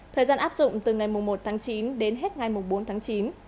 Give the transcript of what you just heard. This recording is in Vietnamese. thời gian áp dụng từ ngày một tháng chín đến hết ngày bốn tháng chín